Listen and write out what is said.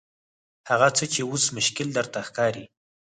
هغه څه چې اوس مشکل درته ښکاري.